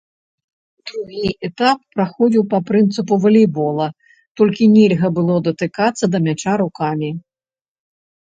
Другі этап праходзіў па прынцыпу валейбола, толькі нельга было датыкацца да мяча рукамі.